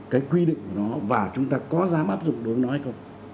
cái quy định của nó và chúng ta có dám áp dụng đối với nó hay không